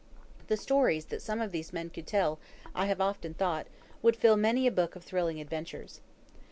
The stories that some of these men could tell, I have often thought, would fill many a book of thrilling adventures.